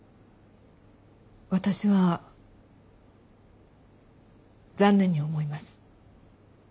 私は残念に思います。